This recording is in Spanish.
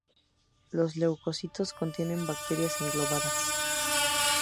Los leucocitos contienen bacterias englobadas.